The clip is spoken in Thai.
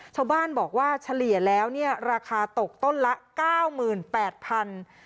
ชาวบ้านบอกว่าเฉลี่ยแล้วเนี่ยราคาตกต้นละ๙๘๐๐บาท